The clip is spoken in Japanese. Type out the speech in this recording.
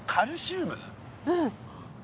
うん。